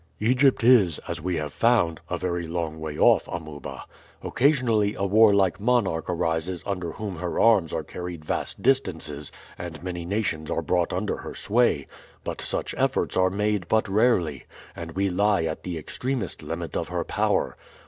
"Egypt is, as we have found, a very long way off, Amuba. Occasionally a warlike monarch arises under whom her arms are carried vast distances and many nations are brought under her sway, but such efforts are made but rarely, and we lie at the extremest limit of her power.